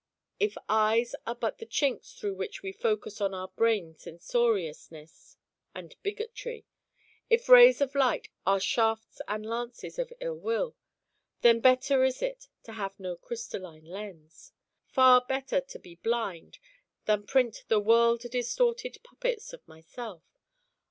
If eyes are but the chinks through which we focus on our brain censoriousness and bigotry, if rays of light are shafts and lances of ill will; then better is it to have no crystalline lens. Far better to be blind, than print the world distorted puppets of myself.